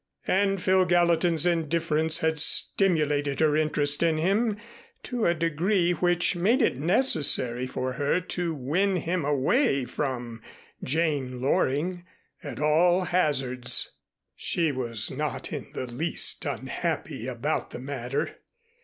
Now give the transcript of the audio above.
And Phil Gallatin's indifference had stimulated her interest in him to a degree which made it necessary for her to win him away from Jane Loring at all hazards. She was not in the least unhappy about the matter.